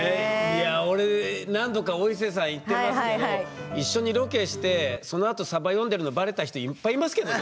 俺何度かお伊勢さん行ってますけど一緒にロケしてそのあとさば読んでるのバレた人いっぱいいますけどね。